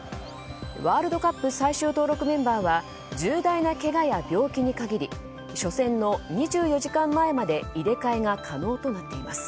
ワールドカップ最終登録メンバーは重大なけがや病気に限り初戦の２４時間前まで入れ替えが可能となっています。